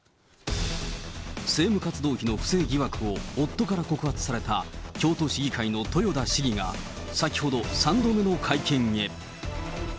政務活動費の不正疑惑を夫から告発された京都市議会の豊田市議が、先ほど、３度目の会見へ。